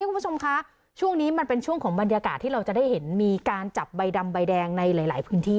คุณผู้ชมคะช่วงนี้มันเป็นช่วงของบรรยากาศที่เราจะได้เห็นมีการจับใบดำใบแดงในหลายพื้นที่